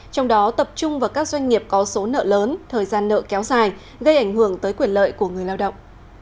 trong đó tập trung vào các doanh nghiệp có số nợ lớn thời gian nợ kéo dài gây ảnh hưởng tới quyền lợi của người lao động